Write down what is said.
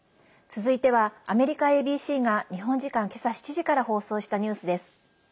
続いてはアメリカＡＢＣが日本時間、今朝７時から放送したニュースです。